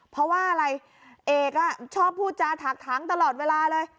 เพราะว่าอะไรเอกชอบพูดจาถักถังตลอดเวลาเลย